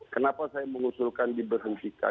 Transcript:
kenapa saya mengusulkan diberhentikan